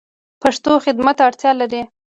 پښتو خدمت ته اړتیا لری